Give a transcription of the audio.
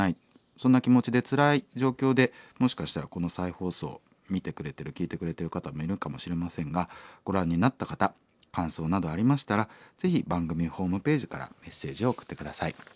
そんな気持ちでつらい状況でもしかしたらこの再放送見てくれてる聴いてくれてる方もいるかもしれませんがご覧になった方感想などありましたらぜひ番組ホームページからメッセージを送って下さい。